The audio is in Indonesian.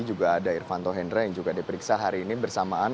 juga ada irvanto hendra yang juga diperiksa hari ini bersamaan